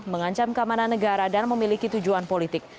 mengancam keamanan negara dan memiliki tujuan politik